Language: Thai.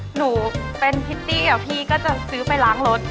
หนูเป็นพริตตี้พี่ก็จะซื้อไปล้างรถ